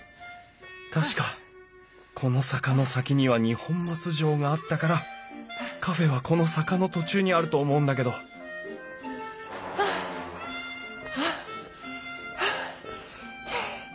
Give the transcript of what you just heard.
確かこの坂の先には二本松城があったからカフェはこの坂の途中にあると思うんだけどハアハアハアハアハアハア。